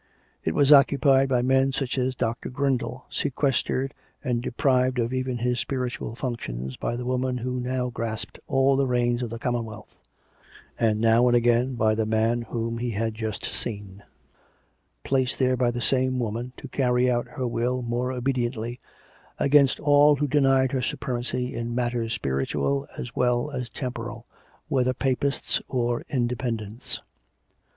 It was occupied by men such as Dr. Grindal, sequestrated and deprived of even his spiritual functions COME RACK! COME ROPE! 279 by the woman who now grasjsed all the reins of the Com monwealth; and now again by the man whom he had just seen, placed there by the same woman to carry out her will more obediently against all who denied her supremacy in matters spiritual as well as temporal, whether Papists or Independents.